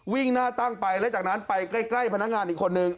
วิ่งหน้าตั้งไปแล้วจากนั้นไปใกล้พนักงานอีกคนนึง